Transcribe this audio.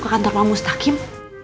ke kantor pak mustaqim